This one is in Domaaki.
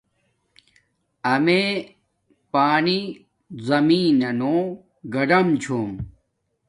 امیے پانی زمین نانو گاڈم چھوم